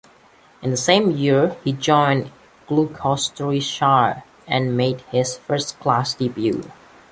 In the same year, he joined Gloucestershire and made his first-class debut.